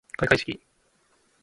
開会式